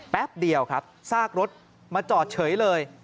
แป๊บเดียวครับซากรถมาจอดเฉยเลย